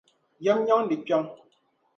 Yɛm nyandi kpiɔŋ.